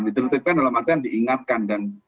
ditertibkan dalam artian diingatkan